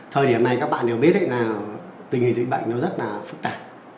thời điểm này các bạn đều biết là tình hình dịch bệnh nó rất là phức tạp